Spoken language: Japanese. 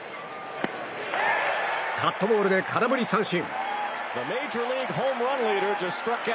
カットボールで空振り三振！